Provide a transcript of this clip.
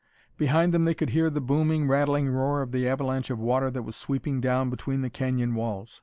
Behind them they could hear the booming, rattling roar of the avalanche of water that was sweeping down between the canyon walls.